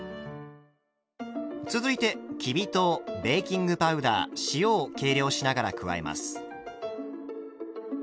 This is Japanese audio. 続いてきび糖ベーキングパウダー塩を計量しながら加えます。